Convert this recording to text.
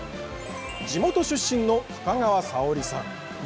地元出身の深川沙央里さん。